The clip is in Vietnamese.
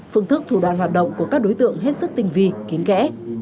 phương thức thủ đoàn hoạt động của các đối tượng hết sức tinh vi kín kẽ